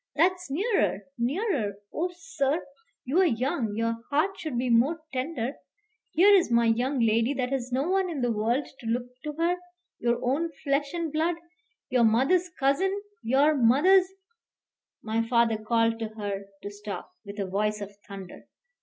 That's nearer, nearer! Oh, sir! you're young; your heart should be more tender. Here is my young lady that has no one in the world to look to her. Your own flesh and blood; your mother's cousin, your mother's " My father called to her to stop, with a voice of thunder.